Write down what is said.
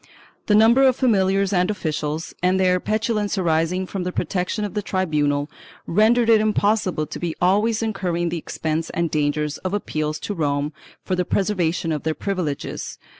The number of familiars and officials, and their petulance arising from the protection of the tribunal, rendered it impossible to be always incurring the expense and dangers of appeals to Rome for the preservation of their privileges.